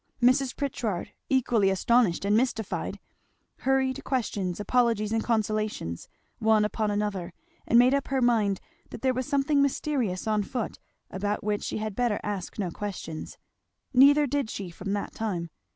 Mrs. Pritchard equally astonished and mystified, hurried questions, apologies, and consolations, one upon another; and made up her mind that there was something mysterious on foot about which she had better ask no questions. Neither did she, from that time.